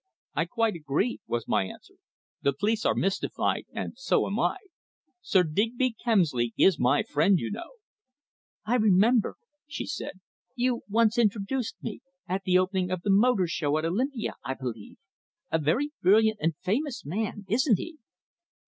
"I quite agree," was my answer. "The police are mystified, and so am I. Sir Digby Kemsley is my friend, you know." "I remember," she said. "You once introduced me at the opening of the Motor Show at Olympia, I believe. A very brilliant and famous man, isn't he?"